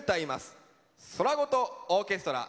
「空言オーケストラ」。